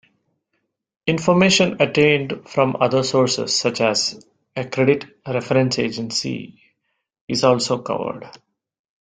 Information attained from other sources, such as a credit reference agency, is also covered.